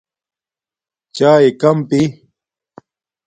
چایے کم پی